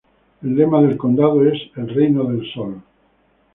El lema del condado es el "Reino del sol".